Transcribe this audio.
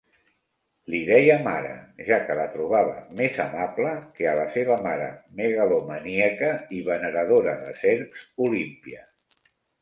Li deia "mare", ja que la trobava més amable que a la seva mare megalomaníaca i veneradora de serps, Olímpia.